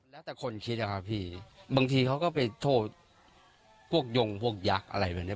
แล้วแต่คนคิดอะครับพี่บางทีเขาก็ไปโทษพวกยงพวกยักษ์อะไรแบบนี้